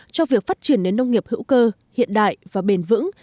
cho việc phát triển đến nông nghiệp hữu cơ hiện đại và bền vững